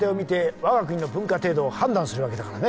我が国の文化程度を判断するわけだからね